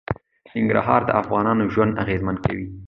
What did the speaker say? ننګرهار د افغانانو ژوند اغېزمن کوي.